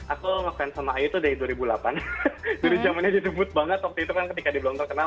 aku ngefans sama ayu tuh dari dua ribu delapan dulu zamannya disebut banget waktu itu kan ketika dia belum terkenal